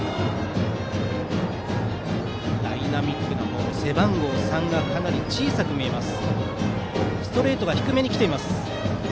ダイナミックなフォームで背番号３がかなり小さく見えます。